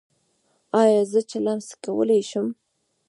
ایا زه چلم څکولی شم؟